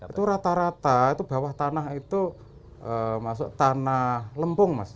itu rata rata itu bawah tanah itu masuk tanah lempung mas